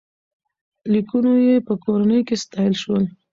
لیکونو یې په کورنۍ کې ستایل شول.